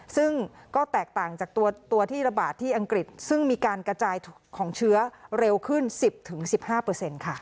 ซึ่งก็แตกต่างจากตัวที่ระบาดที่อังกฤษซึ่งมีการกระจายของเชื้อเร็วขึ้น๑๐๑๕ค่ะ